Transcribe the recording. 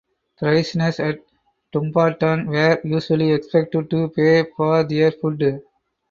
Prisoners at Dumbarton were usually expected to pay for their food.